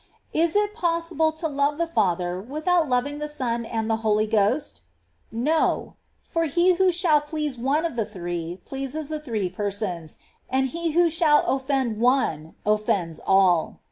Is it possible to love the Father without loving the Son and the Holy Ghost ? No ; for he who shall please One of the Three pleases the Three Persons ; and he Avho shall oflPend One offends All.